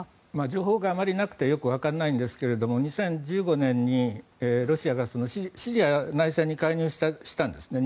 情報があまりなくてよくわからないんですが２０１５年にロシアがシリア内戦に介入したんです。